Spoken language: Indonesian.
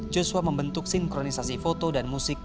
joshua membentuk sinkronisasi foto dan musik